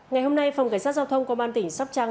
ngày hôm nay phòng cảnh sát giao thông công an tỉnh sóc trăng